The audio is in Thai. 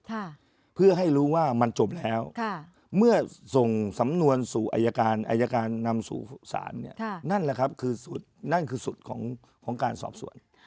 ค่ะเพื่อให้รู้ว่ามันจบแล้วค่ะเมื่อส่งสำนวนสู่อายการอายการนำสู่ศาลเนี่ยค่ะนั่นแหละครับคือสูตรนั่นคือสุดของของการสอบสวน